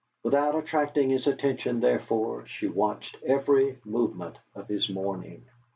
Without attracting his attention, therefore, she watched every movement of his morning.